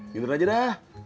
bintur aja dah